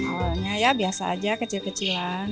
awalnya ya biasa aja kecil kecilan